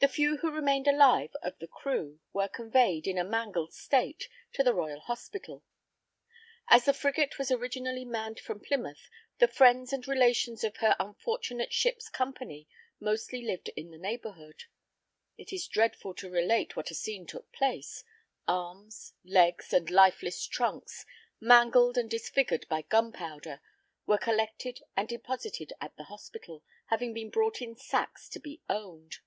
The few who remained alive of the crew were conveyed, in a mangled state, to the Royal Hospital. As the frigate was originally manned from Plymouth the friends and relations of her unfortunate ship's company mostly lived in the neighborhood. It is dreadful to relate what a scene took place arms, legs and lifeless trunks, mangled and disfigured by gunpowder, were collected and deposited at the hospital, having been brought in sacks to be owned.